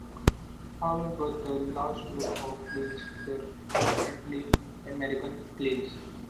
However, the last group of planes were apparently American planes.